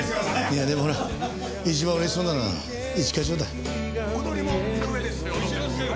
いやでもほら一番嬉しそうなのは一課長だ。